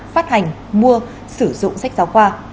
phát hành mua sử dụng sách giáo khoa